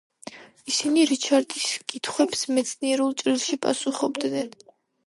ისინი რიჩარდის კითხვებს მეცნიერულ ჭრილში პასუხობდნენ.